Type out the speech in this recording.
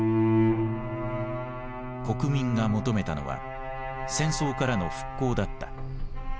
国民が求めたのは戦争からの復興だった。